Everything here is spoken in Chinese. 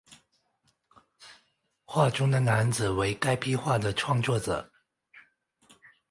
画中的男子为该壁画的创作者。